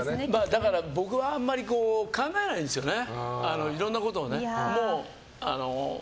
だから僕はあんまり考えないんですよね